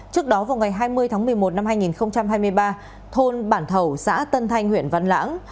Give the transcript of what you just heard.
trước đó vào ngày hai mươi tháng một mươi một năm hai nghìn hai mươi ba thôn bản thầu xã tân thanh huyện văn lãng